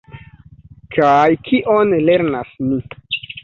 Kaj kion lernas ni?